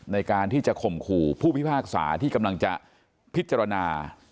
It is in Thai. ในการที่จะข่มขู่ผู้พิพากษาที่กำลังจะพิจารณา